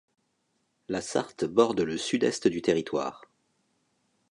La Sarthe borde le sud-est du territoire.